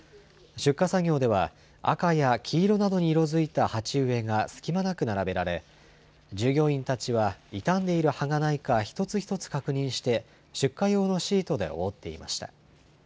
出荷作業では、赤や黄色などに色づいた鉢植えが隙間なく並べられ、従業員たちは傷んでいる葉がないか一つ一つ確認して、出荷用のシートで覆っていました。